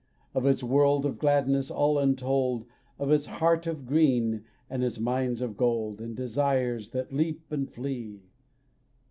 Of its world of gladness all untold, Of its heart of green, and its mines of gold, And desires that leap and flee.